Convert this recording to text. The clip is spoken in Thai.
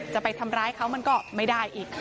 จะไปทำร้ายเขามันก็ไม่ได้อีก